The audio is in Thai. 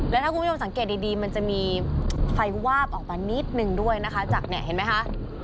แล้วถ้าคุณผู้ชมสังเกตดีมันจะมีไฟวาบออกมานิดนึงด้วยนะคะจากเนี่ยเห็นไหมคะ